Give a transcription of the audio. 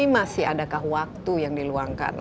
masih adakah waktu yang diluangkan